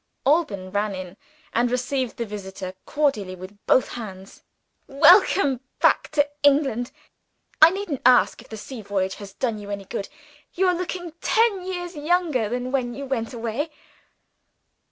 Alban ran in, and received the visitor cordially with both hands. "Welcome back to England! I needn't ask if the sea voyage has done you good. You are looking ten years younger than when you went away."